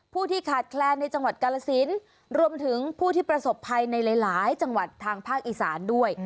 ที่ขาดแคลนในจังหวัดกาลสินรวมถึงผู้ที่ประสบภัยในหลายจังหวัดทางภาคอีสานด้วย